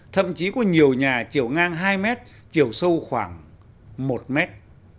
thậm chí có nhiều nhà chiều ngang hai mét chiều sâu khoảng một mét